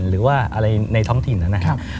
หรือว่าอะไรในท้องถิ่นนะครับ